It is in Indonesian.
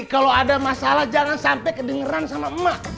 kalau ada masalah jangan sampai kedengeran sama emak